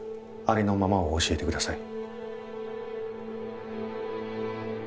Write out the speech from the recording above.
ありのままを教えてください。